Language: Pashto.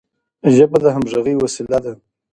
ژبه د همږغی وسیله ده.